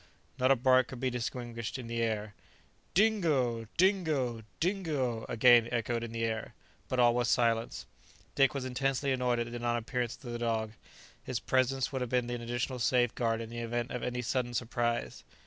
Not a bark could be distinguished in reply "Dingo! Dingo! Dingo!" again echoed in the air. But all was silence. Dick was intensely annoyed at the non appearance of the dog; his presence would have been an additional safeguard in the event of any sudden surprise.